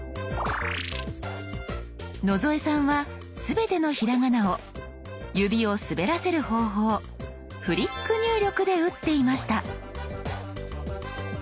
野添さんは全てのひらがなを指を滑らせる方法フリック入力で打っていました。